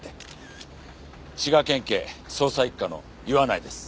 滋賀県警捜査一課の岩内です。